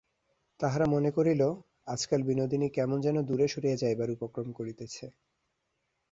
তাহারা মনে করিল, আজকাল বিনোদিনী কেমন যেন দূরে সরিয়া যাইবার উপক্রম করিতেছে।